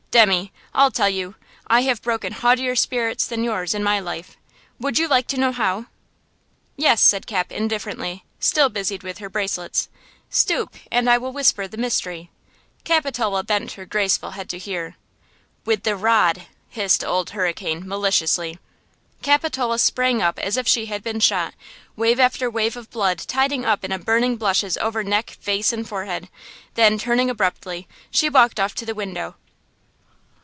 Demmy, I'll tell you! I have broken haughtier spirits than yours in my life. Would you know how?" "Yes," said Cap, indifferently, still busied with her bracelets. "Stoop and I will whisper the mystery." Capitola bent her graceful head to hear. "With the rod!" hissed Old Hurricane, maliciously. Capitola sprang up as if she had been shot, wave after wave of blood tiding up in a burning blushes over neck, face and forehead; then, turning abruptly, she walked off to the window.